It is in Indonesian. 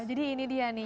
jadi ini dia nih